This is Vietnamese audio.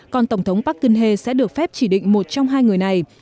còn tổng thống park geun hye sẽ được phép chỉ định một trong hai người này